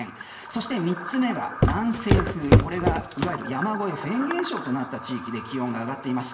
そして３つ目が南西風、いわゆる山越えフェーン現象となった地域で気温が上がっています。